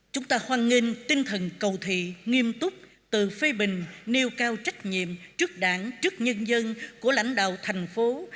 chúng ta hoan nghênh tinh thần cầu thị nghiêm túc tự phê bình nêu cao trách nhiệm trước đảng trước nhân dân của lãnh đạo thành phố